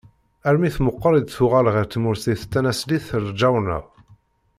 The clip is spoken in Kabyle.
Armi tmeqqer i d-tuɣal ɣer tmurt-is tanaṣlit Rǧawna.